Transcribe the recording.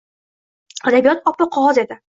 Adabiyot oppoq qog’oz edi